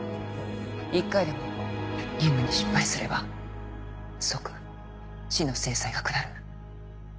１回でも任務に失敗すれば即死の制裁が下る。